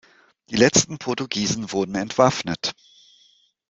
Die letzten Portugiesen wurden entwaffnet.